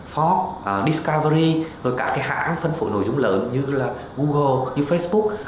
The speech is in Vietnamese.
fox discovery các hãng phân phối nội dung lớn như google facebook